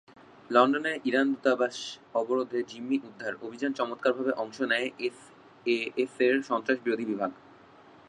লন্ডনের ইরান দূতাবাস অবরোধে জিম্মি উদ্ধার অভিযানে চমৎকারভাবে অংশ নেয় এসএএস-র সন্ত্রাস বিরোধী বিভাগ।